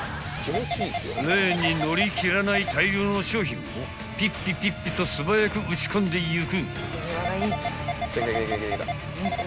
［レーンに乗り切らない大量の商品をピッピピッピと素早く打ち込んでいく］